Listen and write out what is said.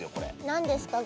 何ですか？